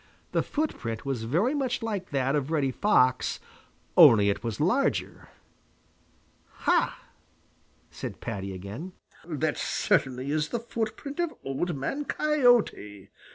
The footprint was very much like that of Reddy Fox, only it was larger. "Ha!" said Paddy again, "that certainly is the footprint of Old Man Coyote!